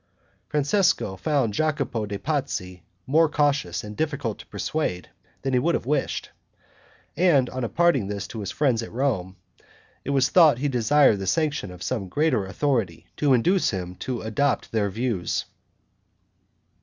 Francesco found Jacopo de' Pazzi more cautious and difficult to persuade than he could have wished, and on imparting this to his friends at Rome, it was thought he desired the sanction of some greater authority to induce him to adopt their views.